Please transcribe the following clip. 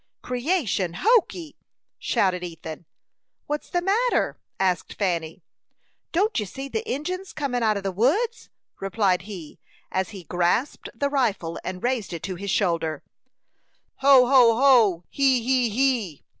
"Creation hokee!" shouted Ethan. "What's the matter?" asked Fanny. "Don't you see the Injins comin' out of the woods?" replied he, as he grasped the rifle, and raised it to his shoulder. "Ho, ho, ho! He, he, he!"